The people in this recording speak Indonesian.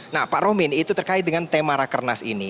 nah pak romin itu terkait dengan tema rakernas ini